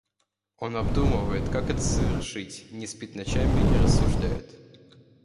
Он обдумывает, как это совершить, не спит ночами и рассуждает.